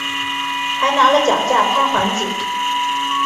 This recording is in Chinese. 还拿了脚架拍环景